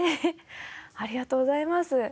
ありがとうございます。